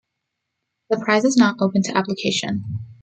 The prize is not open to application.